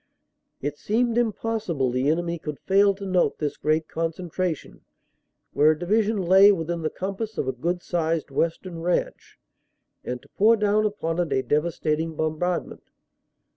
It seemed impossible the enemy could fail to note this great concentration, where a division lay within the compass of a good sized western ranch, and to pour down upon it a devastating bombardment.